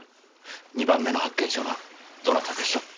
２番目の発見者はどなたでしょう？